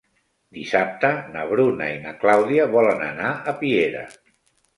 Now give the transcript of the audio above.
Dissabte na Bruna i na Clàudia volen anar a Piera.